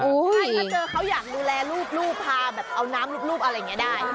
ถ้าเจอเขาอยากดูแลรูปพาแบบเอาน้ำรูปอะไรอย่างนี้ได้